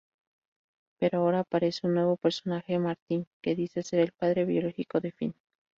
Pero ahora aparece un nuevo personaje, Martin, que dice ser el padre biológico de Finn.